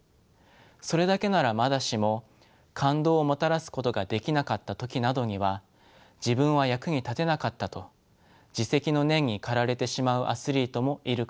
それだけならまだしも感動をもたらすことができなかった時などには「自分は役に立てなかった」と自責の念に駆られてしまうアスリートもいるかもしれません。